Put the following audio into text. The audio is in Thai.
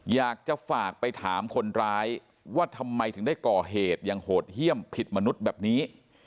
อยากจะฝากไปถามคนร้ายว่าทำไมถึงได้ก่อเหตุอย่างโหดเยี่ยมผิดมนุษย์แบบนี้